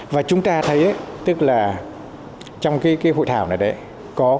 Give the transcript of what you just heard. và chúng ta thấy tức là trong cái hội thảo này đấy